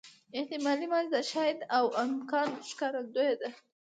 احتمالي ماضي د شاید او امکان ښکارندوی ده.